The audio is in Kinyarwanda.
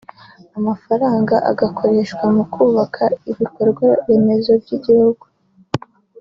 amafaranga agakoreshwa mu kubaka ibikorwa remezo by’igihugu